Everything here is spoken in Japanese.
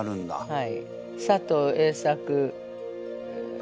はい。